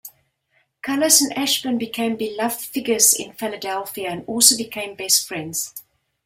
Kalas and Ashburn became beloved figures in Philadelphia, and also became best friends.